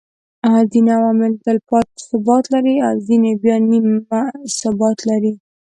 ځيني عوامل تلپاتي ثبات لري او ځيني بيا نيمه ثبات لري